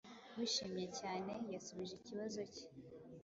wishimye cyane yasubije ikibazo cye